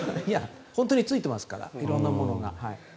本当についていますから色んなものが。